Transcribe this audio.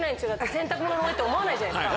洗濯物の上って思わないじゃないですか。